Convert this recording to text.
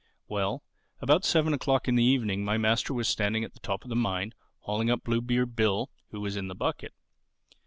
Well, about seven o'clock in the evening my master was standing at the top of the mine, hauling up Bluebeard Bill who was in the bucket.